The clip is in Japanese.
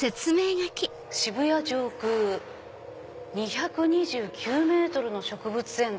「渋谷上空２２９ｍの植物園」。